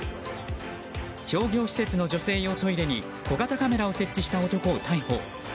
商業施設の女性用トイレに小型カメラを設置した男を逮捕。